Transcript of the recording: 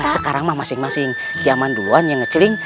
sekarang masing masing kiaman duluan yang mencaring